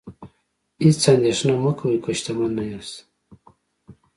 هیڅ اندیښنه مه کوئ که شتمن نه یاست.